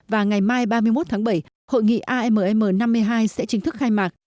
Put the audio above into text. và ngày mai ba mươi một tháng bảy hội nghị amm năm mươi hai sẽ chính thức khai mạc